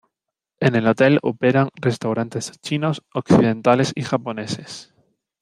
En el hotel operan restaurantes chinos, occidentales y japoneses.